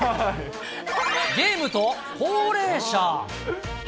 ゲームと高齢者。